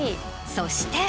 そして。